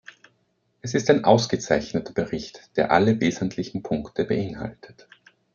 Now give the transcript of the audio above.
Es ist ein ausgezeichneter Bericht, der alle wesentlichen Punkte beinhaltet.